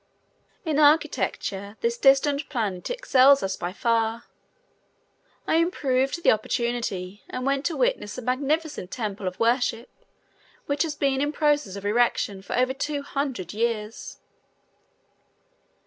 In architecture this distant planet excels us by far. I improved the opportunity and went to witness a magnificent temple of worship which has been in process of erection for over two hundred years.